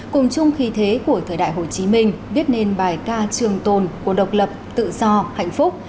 cùng chung khí thế của thời đại hồ chí minh viết nên bài ca trường tồn của độc lập tự do hạnh phúc